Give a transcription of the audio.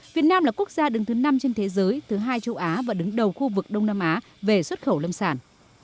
việt nam là quốc gia đứng thứ năm trên thế giới thứ hai châu á và đứng đầu khu vực đông nam á về xuất khẩu lâm sản